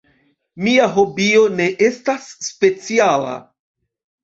Mia hobio ne estas speciala.